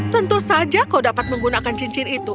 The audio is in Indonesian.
tentu saja kau dapat menggunakan cincin itu